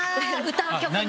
歌う曲の？